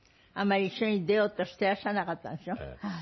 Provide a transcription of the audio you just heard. あまり一緒に出ようとしてらっしゃらなかったんでしょ。